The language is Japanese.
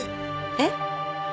えっ？